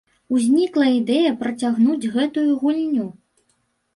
Узнікла ідэя працягнуць гэтую гульню.